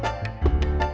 ya udah aku tunggu